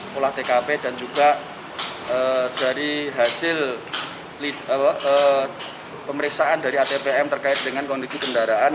pola tkp dan juga dari hasil pemeriksaan dari atpm terkait dengan kondisi kendaraan